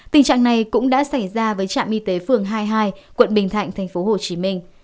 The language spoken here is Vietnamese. tình trạng này cũng đã xảy ra với trạm y tế phường hai mươi hai quận bình thạnh tp hcm